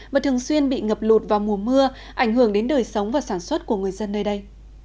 và thường xuyên bị ngập lụt vào mùa mưa ảnh hưởng đến đời sống và sản xuất của người dân nơi đây